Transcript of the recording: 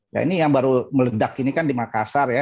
ya ini yang baru meledak ini kan di makassar ya